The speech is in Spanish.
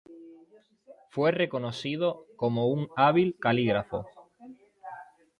Fue reconocido como un hábil calígrafo.